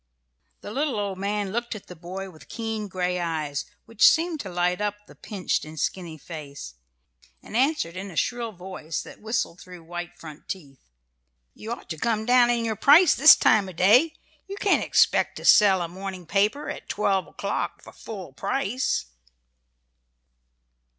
The little old man looked at the boy with keen gray eyes, which seemed to light up the pinched and skinny face, and answered in a shrill voice that whistled through white front teeth: "You ought to come down in your price this time of day. You can't expect to sell a morning paper at twelve o'clock for full price."